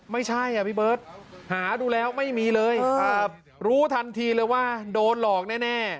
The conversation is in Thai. ไม่ใช่อ่ะพี่เบิร์ตหาดูแล้วไม่มีเลยรู้ทันทีเลยว่าโดนหลอกแน่